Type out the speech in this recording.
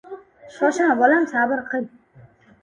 — Shoshma, bolam, sabr qil.